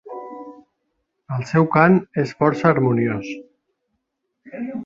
El seu cant és força harmoniós.